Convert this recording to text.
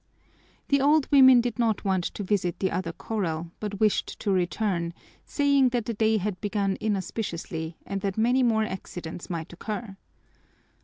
The old women did not want to visit the other corral but wished to return, saying that the day had begun inauspiciously and that many more accidents might occur.